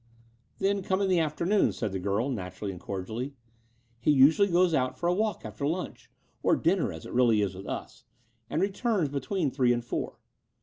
''Then come in the afternoon/' said the girl naturally and cordially. "He usually goes out for a walk after Itmch — or dinner, as it really is with us — and returns between three and four.